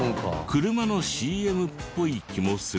車のＣＭっぽい気もするけど。